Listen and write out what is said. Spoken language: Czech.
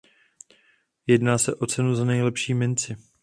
Jedná se o cenu za nejlepší minci.